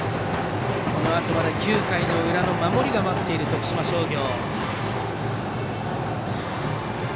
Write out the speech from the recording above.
このあと９回の裏の守りが待っている徳島商業。